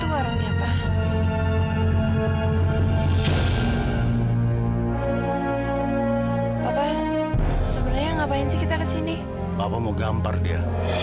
papa mau gampar dia